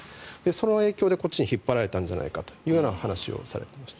その影響でこっちに引っ張られたんじゃないかという話をされていました。